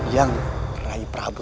yang rai prabu